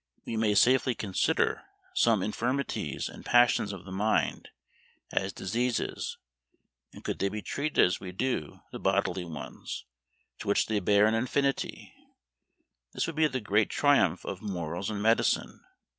We may safely consider some infirmities and passions of the mind as diseases, and could they be treated as we do the bodily ones, to which they bear an affinity, this would be the great triumph of "morals and medicine."